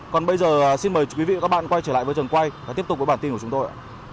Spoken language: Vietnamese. còn bây giờ xin mời quý vị và các bạn quay trở lại với trường quay và tiếp tục với bản tin của chúng tôi ạ